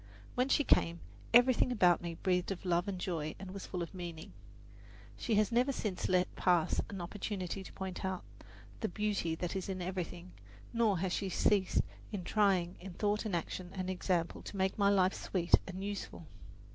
When she came, everything about me breathed of love and joy and was full of meaning. She has never since let pass an opportunity to point out the beauty that is in everything, nor has she ceased trying in thought and action and example to make my life sweet and useful.